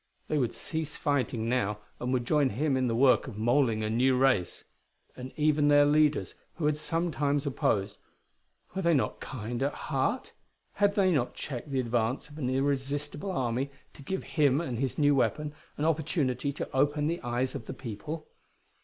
They would cease fighting now, and would join him in the work of moulding a new race. And even their leaders, who had sometimes opposed were they not kind at heart? Had they not checked the advance of an irresistible army to give him and his new weapon an opportunity to open the eyes of the people?